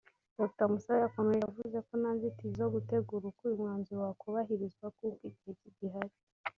Dr Musabe yakomeje yavuze ko nta nzitizi zo gutegura uko uyu mwanzuro wakubahirizwa kuko igihe kigihari